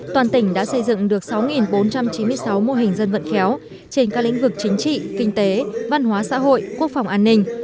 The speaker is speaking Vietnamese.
toàn tỉnh đã xây dựng được sáu bốn trăm chín mươi sáu mô hình dân vận khéo trên các lĩnh vực chính trị kinh tế văn hóa xã hội quốc phòng an ninh